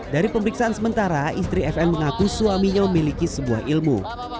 dari pemeriksaan sementara istri fn mengaku suaminya memiliki sebuah ilmu